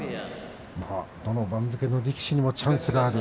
どの番付の力士にもチャンスがある。